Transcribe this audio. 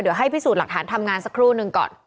เดี๋ยวให้พิสูจน์หลักฐานทำงานสักครู่หนึ่งก่อน